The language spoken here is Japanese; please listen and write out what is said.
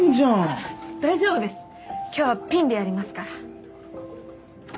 あっ大丈夫です今日はピンでやりますから。